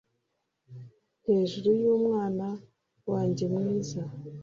hejuru yumwana wanjye mwiza